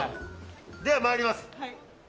では、まいります。